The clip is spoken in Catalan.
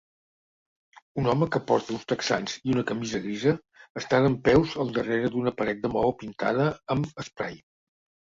Un home que porta uns texans i una camisa grisa està dempeus al darrere d'una paret de maó pintada amb esprai.